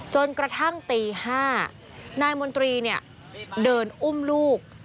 จนกระทั่งตี๕นายมนตรีเดินอุ้มลูก